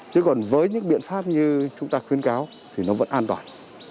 chứ còn với những biện pháp như chúng ta khuyến cáo thì nó vẫn an toàn